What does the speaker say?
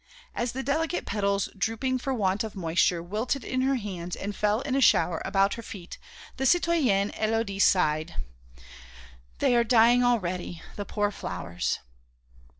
As the delicate petals, drooping for want of moisture, wilted in her hands and fell in a shower about her feet, the citoyenne Élodie sighed: "They are dying already, the poor flowers!"